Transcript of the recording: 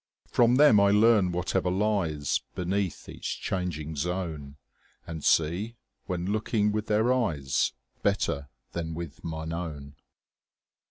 From them I learn whatever lies Beneath each changing zone, And see, when looking with their eyes, 35 Better than with mine own.